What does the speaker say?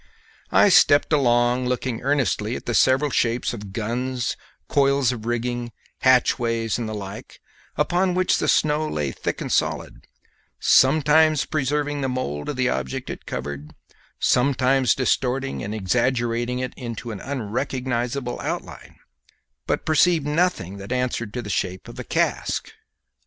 I stepped along looking earnestly at the several shapes of guns, coils of rigging, hatchways, and the like, upon which the snow lay thick and solid, sometimes preserving the mould of the object it covered, sometimes distorting and exaggerating it into an unrecognizable outline, but perceived nothing that answered to the shape of a cask.